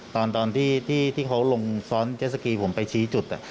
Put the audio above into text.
ตอนที่เขาลงซ้อนเจ็ดสกีผมไปชี้จุด